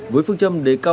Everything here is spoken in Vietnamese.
với phương châm đề cao